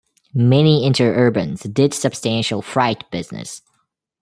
Many interurbans did substantial freight business.